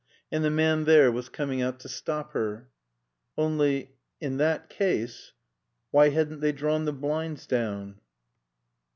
And the man there was coming out to stop her. Only in that case why hadn't they drawn the blinds down?